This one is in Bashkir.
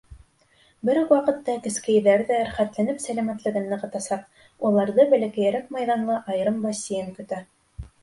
Бер үк ваҡытта кескәйҙәр ҙә рәхәтләнеп сәләмәтлеген нығытасаҡ, уларҙы бәләкәйерәк майҙанлы айырым бассейн көтә.